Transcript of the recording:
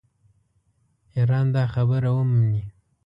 ایران دا خبره ومني.